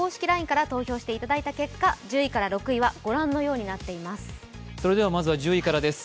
ＬＩＮＥから投票していただいた結果、１０位から６位はご覧のようになっています。